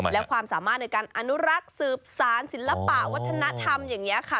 และความสามารถในการอนุรักษ์สืบสารศิลปะวัฒนธรรมอย่างนี้ค่ะ